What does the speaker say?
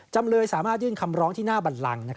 จำเลยสามารถยื่นคำร้องที่หน้าบันลัง